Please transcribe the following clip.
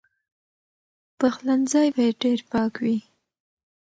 پخلنځی باید ډېر پاک وي.